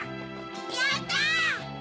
やった！